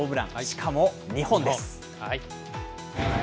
しかも２本です。